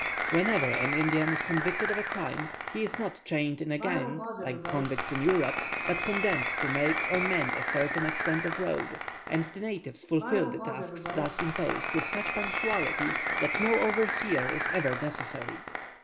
Whenever an Indian is convicted of a crime, he is not chained in a gang, like convicts in Europe, but condemned to make or mend a certain extent of road, and the natives fulfil the tasks thus imposed with such punctuality, that no overseer is ever necessary.